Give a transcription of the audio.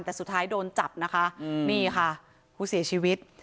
แต่สุดท้ายโดนจับนะคะนี่ค่ะผู้เสียชีวิต